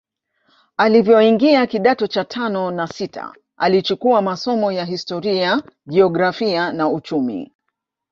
Alivyoingia kidato cha tano na sita alichukua masomo ya historia jiografia na uchumi